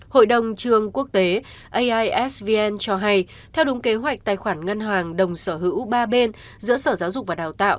hội đồng trường quốc tế aisvn cho hay theo đúng kế hoạch tài khoản ngân hàng đồng sở hữu ba bên giữa sở giáo dục và đào tạo